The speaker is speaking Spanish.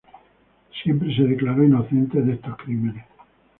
Él siempre se declaró inocente de estos crímenes.